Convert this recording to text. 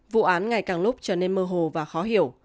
vụ án ngày càng lúc trở nên mơ hồ và khó hiểu